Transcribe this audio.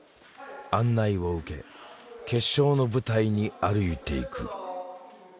案内を受け決勝の舞台に歩いていく。